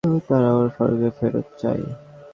তারা ওমর ফারুককে ফেরত চায়।